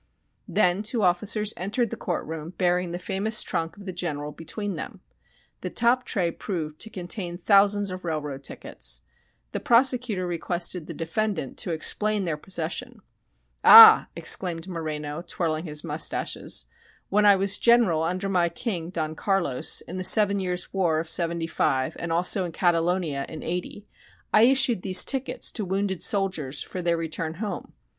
Then two officers entered the courtroom bearing the famous trunk of the General between them. The top tray proved to contain thousands of railroad tickets. The prosecutor requested the defendant to explain their possession. "Ah!" exclaimed Moreno, twirling his mustaches, "when I was General under my King Don Carlos, in the Seven Years' War of '75 and also in Catalonia in '80, I issued these tickets to wounded soldiers for their return home.